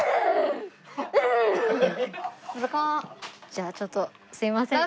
じゃあちょっとすいません。